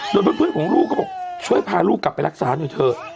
โดยเพื่อนของลูกก็บอกช่วยพาลูกกลับไปรักษาหน่อยเถอะ